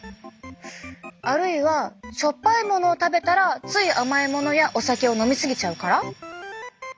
あるいはしょっぱいものを食べたらつい甘いものやお酒を飲み過ぎちゃうから？